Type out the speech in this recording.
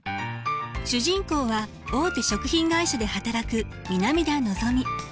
主人公は大手食品会社で働く南田のぞみ。